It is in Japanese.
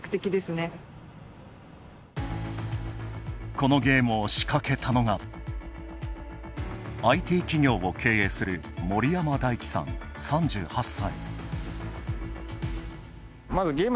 このゲームを仕掛けたのがＩＴ企業を経営する森山大器さん、３８歳。